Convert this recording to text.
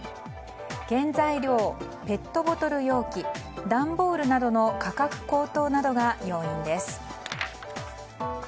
原材料、ペットボトル容器段ボールなどの価格高騰などが要因です。